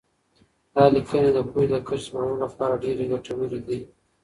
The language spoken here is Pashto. دا لیکنې د پوهې د کچې د لوړولو لپاره ډېر ګټورې دي.